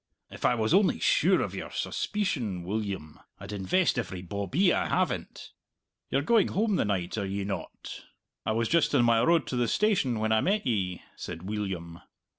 If I was only sure o' your suspeecion, Weelyum, I'd invest every bawbee I have in't. You're going home the night, are ye not?" "I was just on my road to the station when I met ye," said Weelyum.